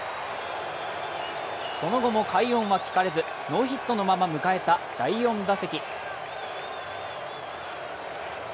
その後も快音は聞かれず、ノーヒットのまま迎えた第４打席。